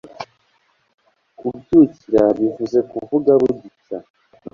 Kubyukira bivuze Kuvuga bugicya